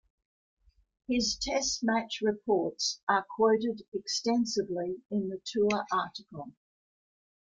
His Test match reports are quoted extensively in the tour article.